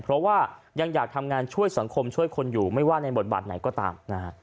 เพราะว่ายังอยากทำงานช่วยสังคมช่วยคนอยู่ไม่ว่าในบทบาทไหนก็ตามนะฮะ